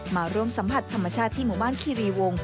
มาร่วมสัมผัสธรรมชาติที่หมู่บ้านคีรีวง